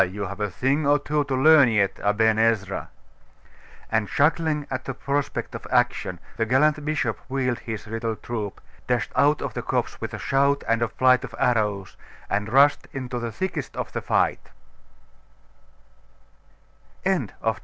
you have a thing or two to learn yet, Aben Ezra.' And chuckling at the prospect of action, the gallant bishop wheeled his little troop and in five minutes more dashed out of the copse with a shout and a flight of arrows, and rushed into the thickest of the fight.